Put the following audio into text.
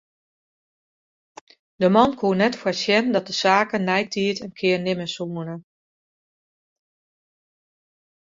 De man koe net foarsjen dat de saken neitiid in kear nimme soene.